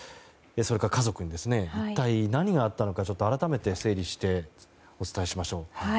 それから家族に一体何があったのか、改めて整理してお伝えしましょう。